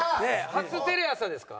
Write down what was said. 初テレ朝ですか？